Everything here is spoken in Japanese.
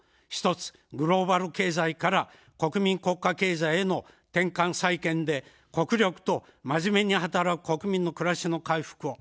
１つ、グローバル経済から国民国家経済への転換再建で国力とまじめに働く国民のくらしの回復を。